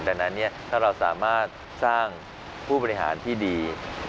ดังนั้นถ้าเราสามารถสร้างผู้บริหารที่ดี